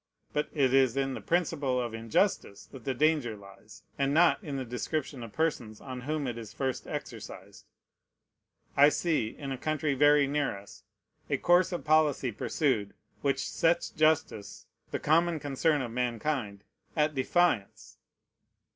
But it is in the principle of injustice that the danger lies, and not in the description of persons on whom it is first exercised. I see, in a country very near us, a course of policy pursued, which sets justice, the common concern of mankind, at defiance.